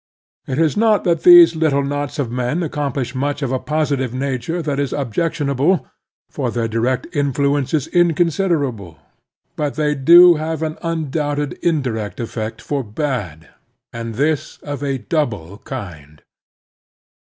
It is not that these little knots of men accom plish much of a positive nature that is objection able, for their direct influence is inconsiderable; but they do have an undoubted indirect effect for bad, and this of a double kind.